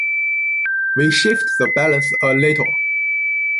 We shift the balance a little.